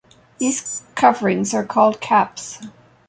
These coverings are called "caps".